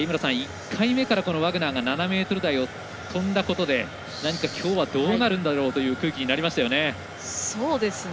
ワグナーが７ｍ台を跳んだことできょうはどうなるんだろうという空気になりましたね。